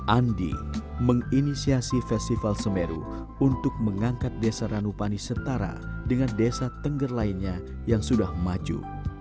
andi menginisiasi festival semeru untuk mengangkat desa ranupani setara dengan desa tengger lainnya yang sudah maju